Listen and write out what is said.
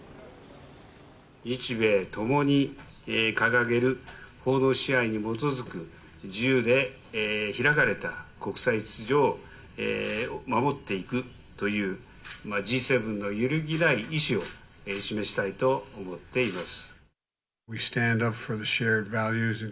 日米ともに掲げる法の支配に基づく自由で開かれた国際秩序を守っていくという、Ｇ７の揺るぎない意志を示したいと思っています。